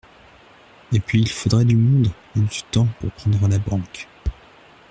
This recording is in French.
Et puis il faudrait du monde et du temps pour prendre la Banque.